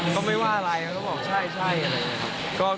ก็ไม่ว่าอะไรเขาก็บอกใช่อะไรอย่างนี้ครับ